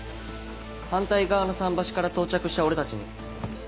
反対側の桟橋から到着した俺たちに。